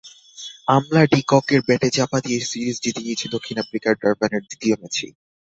আমলা-ডি ককের ব্যাটে চাপা দিয়ে সিরিজ জিতে নিয়েছে দক্ষিণ আফ্রিকা ডারবানের দ্বিতীয় ম্যাচেই।